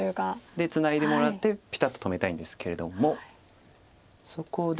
でツナいでもらってピタッと止めたいんですけれどもそこで。